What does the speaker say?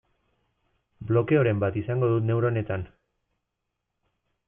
Blokeoren bat izango dut neuronetan.